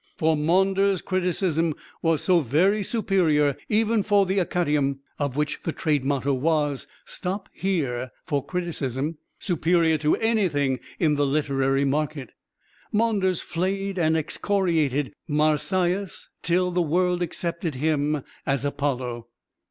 For Maunders' criticism was so very superior, even for the Acadæum, of which the trade motto was "Stop here for Criticism superior to anything in the literary market." Maunders flayed and excoriated Marsyas till the world accepted him as Apollo.